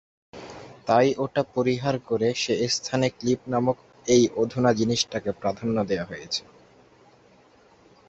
তাই ওটা পরিহার করে সে স্থানে ক্লিপ নামক এই অধুনা জিনিসটাকে প্রাধান্য দেওয়া হয়েছে।